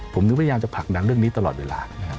ผมพยายามจะผลักดังเรื่องนี้ตลอดเวลา